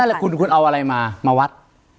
แล้วคุณคุณเอาอะไรมามาวัด